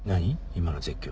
今の絶叫。